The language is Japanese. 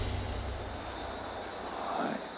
はい。